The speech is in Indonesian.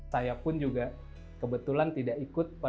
saya pun juga kebetulan tidak ikut